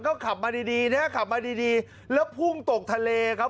ก็ขับมาดีดีนะขับมาดีดีแล้วพุ่งตกทะเลครับ